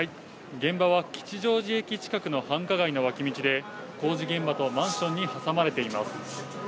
現場は吉祥寺駅近くの繁華街の脇道で工事現場とマンションに挟まれています。